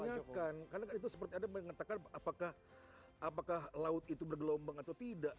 bertanyakan karena itu seperti ada mengatakan apakah apakah laut itu bergelombang atau tidak